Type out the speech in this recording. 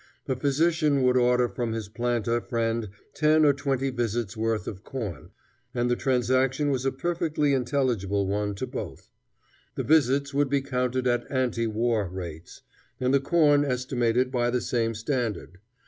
A physician would order from his planter friend ten or twenty visits' worth of corn, and the transaction was a perfectly intelligible one to both. The visits would be counted at ante war rates, and the corn estimated by the same standard.